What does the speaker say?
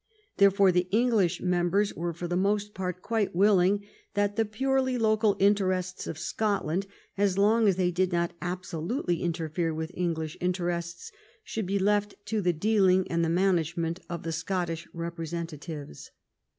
Therefore the English members were for the most part quite willing that the purely local interests of Scotland, so long as they did not absolutely interfere with Eng lish interests, should be left to the dealing and the management of the Scottish representatives.